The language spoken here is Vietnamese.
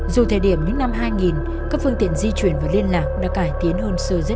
dù thời điểm những năm hai nghìn các phương tiện di chuyển và liên lạc đã cải tiến hơn xưa rất nhiều